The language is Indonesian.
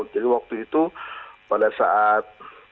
jadi waktu itu pada saat